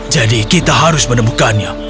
jadi kita harus menemukannya